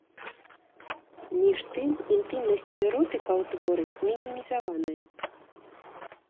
Між тым інтымнасць і эротыка ў творы мінімізаваная.